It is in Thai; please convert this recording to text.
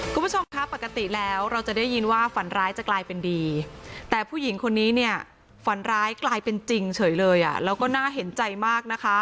คุณผู้ชมคะปกติแล้วเราจะได้ยินว่าฝันร้ายจะกลายเป็นดีแต่ผู้หญิงคนนี้เนี่ยฝันร้ายกลายเป็นจริงเฉยเลยอ่ะแล้วก็น่าเห็นใจมากนะคะ